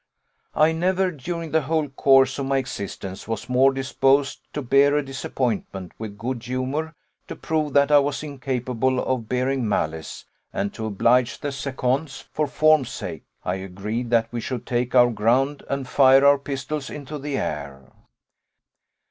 I never, during the whole course of my existence, was more disposed to bear a disappointment with good humour, to prove that I was incapable of bearing malice; and to oblige the seconds, for form's sake, I agreed that we should take our ground, and fire our pistols into the air.